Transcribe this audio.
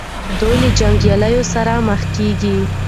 دوی له جنګیالیو سره مخ کیږي.